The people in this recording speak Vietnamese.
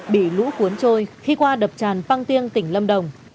bị lũ cuốn trôi khi qua đập tràn băng tiêng tỉnh lâm đồng